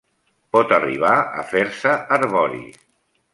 Pot arribar a fer-se arbori.